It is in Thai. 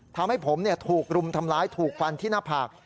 ทำให้ผมถูกรุมทำร้ายถูกฟันที่หน้าผาก